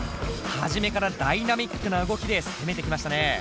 初めからダイナミックな動きで攻めてきましたね。